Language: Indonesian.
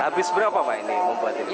habis berapa ini membuatnya